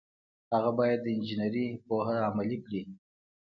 هغه باید د انجنیری پوهه عملي کړي.